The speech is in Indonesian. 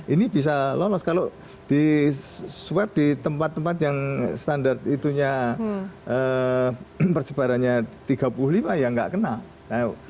ini bisa lolos kalau di swab di tempat tempat yang standar itunya percebarannya tiga puluh lima ya nggak kenal